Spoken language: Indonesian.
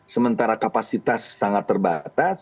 sementara kapasitas sangat terbatas